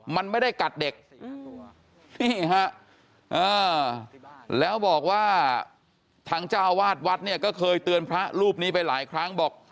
มันไม่ได้กัดเด็กนี่ฮะแล้วบอกว่าทางเจ้าวาดวัดเนี่ยก็เคยเตือนพระรูปนี้ไปหลายครั้งบอก